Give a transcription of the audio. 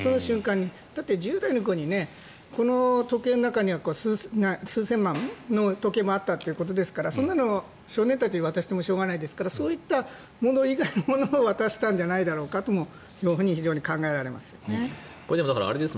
だって１０代の子にこの時計の中には数千万の時計もあったということですからそんなの少年たちに渡してもしょうがないですからそういったもの以外のものを渡したんじゃないかとも非常に考えられますね。